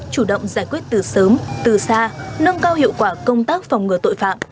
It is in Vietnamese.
chủ động giải quyết từ sớm từ xa nâng cao hiệu quả công tác phòng ngừa tội phạm